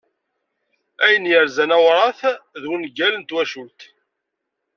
Ayen yerzan awrat d wangal n twacult.